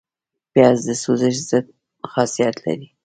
پیاز د سوزش ضد خاصیت لري